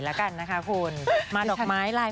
มาดอกไม้ไลน์